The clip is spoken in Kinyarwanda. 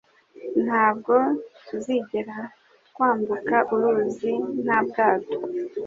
Ntabwo tuzigera twambuka uruzi nta bwato.